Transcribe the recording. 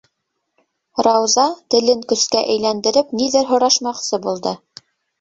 Рауза, телен көскә әйләндереп, ниҙер һорашмаҡсы булды: